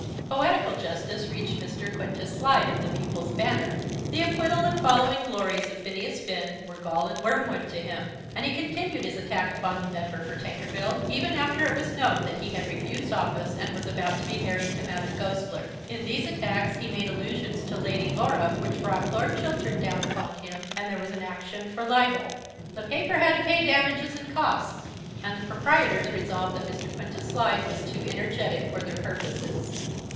Poetical justice reached Mr. Quintus Slide of The People's Banner. The acquittal and following glories of Phineas Finn were gall and wormwood to him; and he continued his attack upon the member for Tankerville even after it was known that he had refused office, and was about to be married to Madame Goesler. In these attacks he made allusions to Lady Laura which brought Lord Chiltern down upon him, and there was an action for libel. The paper had to pay damages and costs, and the proprietors resolved that Mr. Quintus Slide was too energetic for their purposes.